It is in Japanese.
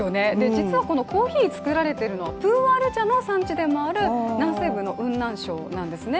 実はこのコーヒー作られているのはプーアール茶の産地でもある南西部の雲南省なんですね。